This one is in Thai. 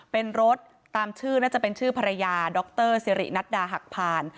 เป็นรถตามชื่อน่าจะเป็นชื่อภรรยาดรสิรินัดดาหักผ่าน